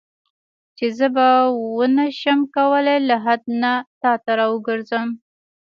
چې زه به ونه شم کولای له لحد نه تا ته راوګرځم.